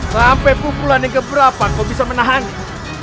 sampai pupulan yang keberapa kau bisa menahanin